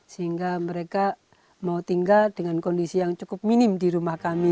sehingga mereka mau tinggal dengan kondisi yang cukup minim di rumah kami